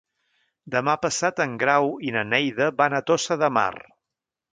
Demà passat en Grau i na Neida van a Tossa de Mar.